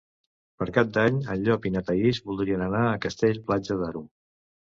Per Cap d'Any en Llop i na Thaís voldrien anar a Castell-Platja d'Aro.